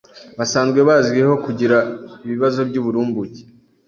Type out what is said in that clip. basanzwe bazwiho kugira ibibazo by'uburumbuke.